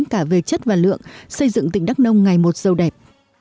cả về chất và lượng xây dựng tỉnh đắk nông ngày một sâu đẹp